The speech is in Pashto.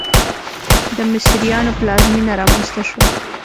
د مصریانو پلازمېنه رامنځته شوه.